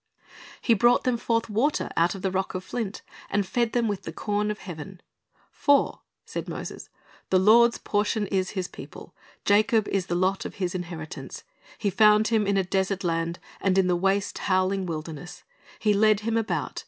He brought them forth water out of "the rock of flint," and fed them with "the corn of heaven."^ "For," said Moses, "the Lord's portion is His people; Jacob is the lot of His inheritance. He found him in a desert land, and in the waste howling wilderness; He led him about.